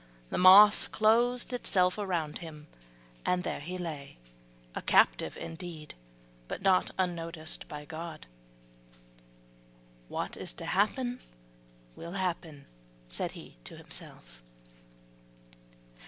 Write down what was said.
The moss closed itself round him, and there he lay, a captive indeed, but not unnoticed by God. "What is to happen will happen," said he to himself.